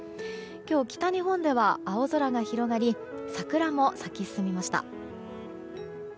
今日、北日本では青空が広がり桜も咲き進みました。